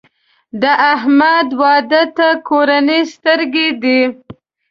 د احمد واده ته کورنۍ سترګې دي.